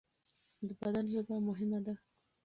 د بدن ژبه مهمه ده.